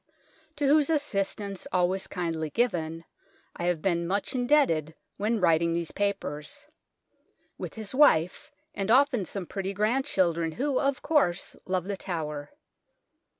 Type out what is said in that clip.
B., to whose assistance, always kindly given, I have been much indebted when writing these papers with his wife, and often some pretty grandchildren, who, of course, love The Tower.